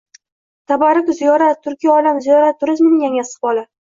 “Tabarruk ziyorat” – turkiy olam ziyorat turizmining yangi istiqboli